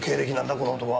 この男は。